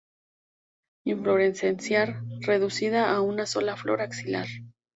Inflorescencia reducida a una sola flor, axilar.